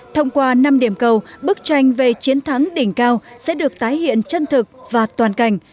thông qua năm điểm cầu bức tranh về chiến thắng đỉnh cao sẽ được tái hiện chân thực và toàn cảnh